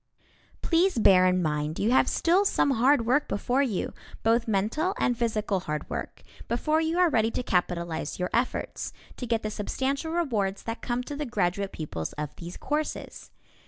Please bear in mind you have still some hard work before you, both mental and physical hard work, before you are ready to capitalize your efforts, to get the substantial rewards that come to the graduate pupils of these courses.